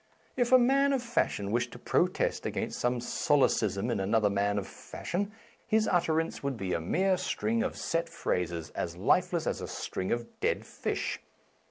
i' If a man of fashion wished to protest against some solecism in another man of fashion, his 'itterance would be a mere string of set phrases, as lifeless as a string of dead fish.